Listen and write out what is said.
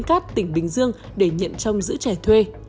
cát tỉnh bình dương để nhận trông giữ trẻ thuê